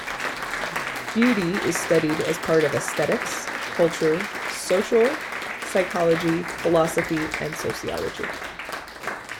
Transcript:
Beauty is studied as part of aesthetics, culture, social psychology, philosophy and sociology.